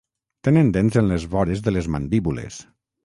Tenen dents en les vores de les mandíbules.